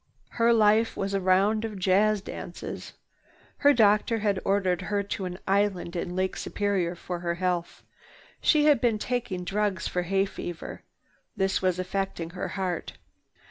Her life was a round of jazz dances. Her doctor had ordered her to an island in Lake Superior for her health. She had been taking drugs for hay fever. This was affecting her heart.